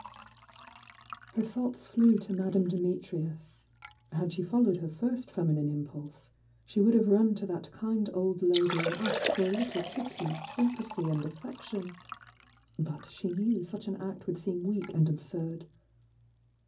Her thoughts flew to Madame Dimitrius,— had she followed her first feminine impulse, she would have run to that kind old lady and asked for a little pity, sympathy and affection!— but she knew such an act would seem weak and absurd.